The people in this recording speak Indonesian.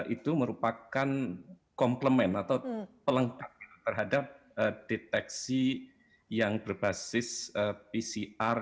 itu merupakan komplement atau pelengkap terhadap deteksi yang berbasis pcr